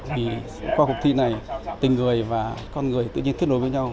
vì qua cuộc thi này tình người và con người tự nhiên kết nối với nhau